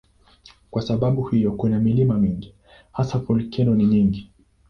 Kwa sababu hiyo kuna milima mingi, hasa volkeno ni nyingi.